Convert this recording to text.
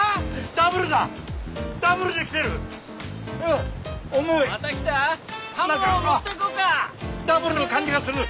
ダブルの感じがする。